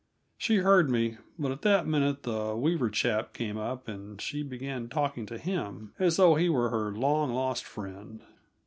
She heard me, but at that minute that Weaver chap came up, and she began talking to him as though he was her long lost friend.